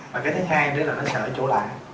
và cái thứ hai nữa là nó sợ chỗ lạ